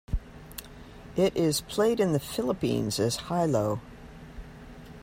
It is played in the Philippines as hi-lo.